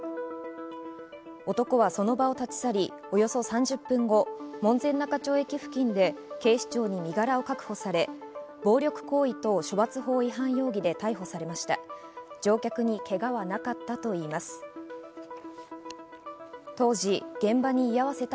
男はその場を立ち去りおよそ３０分後、門前仲町駅付近で警視庁に身柄を確保され、暴力行為等処罰法違反容疑で逮捕されました。